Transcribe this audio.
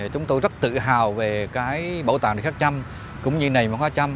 chúng tôi rất tự hào về cái bảo tàng địa khắc trăm cũng như nền văn hóa trăm